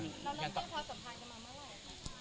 แล้วเรื่องที่เขาสัมภัณฑ์กันมาเมื่อไหร่ค่ะ